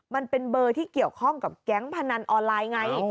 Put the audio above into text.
มันเป็นเบอร์ที่เกี่ยวข้องกับแก๊งพนันออนไลน์ไง